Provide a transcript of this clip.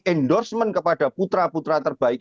endorsement kepada putra putra terbaik